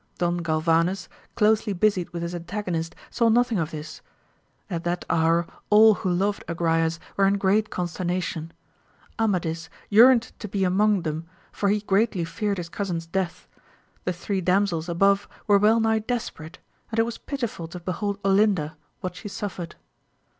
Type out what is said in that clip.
Don Galvanes, closely busied with his antagonist, saw nothing of this. At that hour all who loved Agrayes were in great con sternation ; Amadis yearned to be among them, for he greatly feared his cousin's death ; the three damsels above were well nigh desperate, and it was pitiful to behold Olinda, what she suffered.